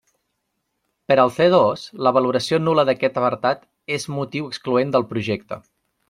Per al C dos, la valoració nul·la d'aquest apartat és motiu excloent del projecte.